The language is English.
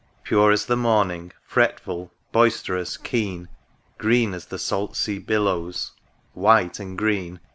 Pure as the morning, fretful, boisterous, keen. Green as the salt sea billows, white and green.